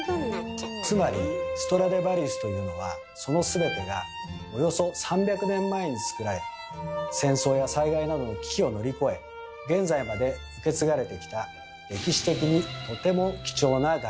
つまりストラディヴァリウスというのはその全てがおよそ３００年前に作られ戦争や災害などの危機を乗り越え現在まで受け継がれてきた歴史的にとても貴重な楽器なんです。